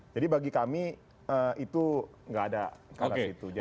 jadi bagi kami itu nggak ada kalas itu